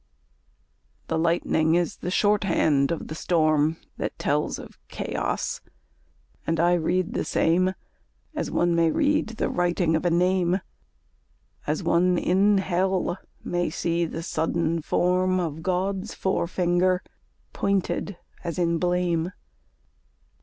The lightning is the shorthand of the storm That tells of chaos; and I read the same As one may read the writing of a name, As one in Hell may see the sudden form Of God's fore finger pointed as in blame.